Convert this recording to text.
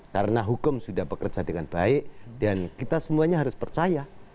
karena hukum sudah bekerja dengan baik dan kita semuanya harus percaya